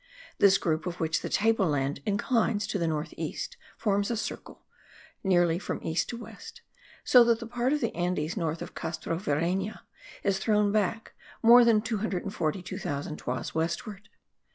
This group of which the table land inclines to the north east, forms a curve, nearly from east to west, so that the part of the Andes north of Castrovireyna is thrown back more than 242,000 toises westward.